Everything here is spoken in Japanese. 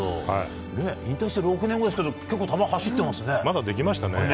引退して６年後ですけど結構、球が走ってましたね。